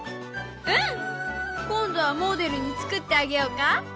うん！今度はもおでるに作ってあげようか？